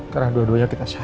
karena dua duanya kita sayang